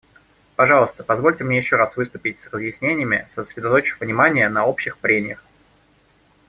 Пожалуйста, позвольте мне еще раз выступить с разъяснениями, сосредоточив внимание на общих прениях.